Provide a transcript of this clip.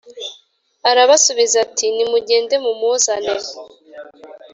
Arabasubiza ati nimugende mumuzane